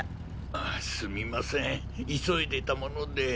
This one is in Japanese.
あすみません急いでいたもので。